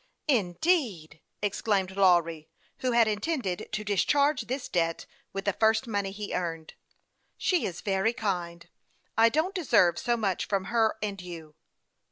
" Indeed !" exclaimed Lawry, who had intended to discharge this debt with the first money he earned. " She is very kind. I don't deserve so much from her and you."